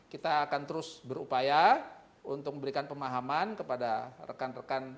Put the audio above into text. kita akan terus berupaya untuk memberikan pemahaman kepada rekan rekan